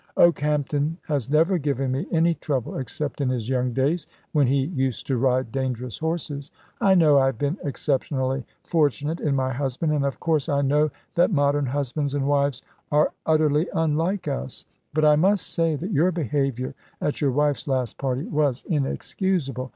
"Okehampton has never given me any trouble, except in his young days, when he used to ride dangerous horses. I know I have been exceptionally fortunate in my husband; and, of course, I know that modern husbands and wives are utterly unlike us; but I must say that your behaviour at your wife's last party was inexcusable.